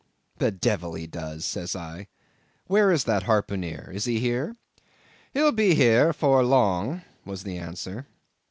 "The devil he does," says I. "Where is that harpooneer? Is he here?" "He'll be here afore long," was the answer.